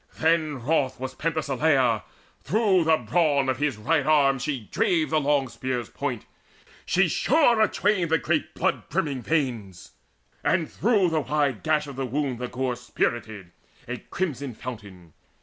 Then wroth was Penthesileia; through the brawn Of his right arm she drave the long spear's point, She shore atwain the great blood brimming veins, And through the wide gash of the wound the gore Spirted, a crimson fountain.